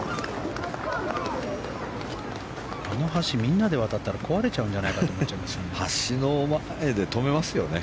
あの橋、みんなで渡ったら壊れちゃうんじゃないかと思いますよね。